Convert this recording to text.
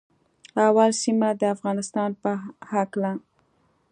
اول سیمه د افغانستان په هکله